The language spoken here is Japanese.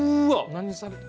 何されて。